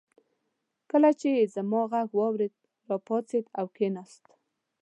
کله چې يې زما غږ واورېد راپاڅېد او کېناست.